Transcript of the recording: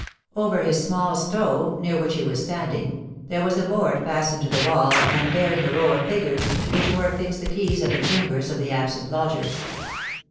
Over his small stove, near which he was standing, there was a board fastened to the wall, and bearing a row of figures, to which were affixed the keys of the chambers of the absent lodgers.